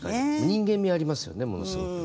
人間味ありますよねものすごく。